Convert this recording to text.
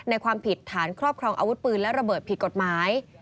ความผิดฐานครอบครองอาวุธปืนและระเบิดผิดกฎหมาย